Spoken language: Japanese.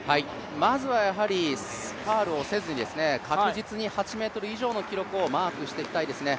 まずはやはりファウルをせずに確実に８ｍ以上の記録をマークしておきたいですね。